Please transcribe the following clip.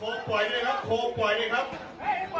เฮ้ยปล่อยแล้วปล่อยแล้ว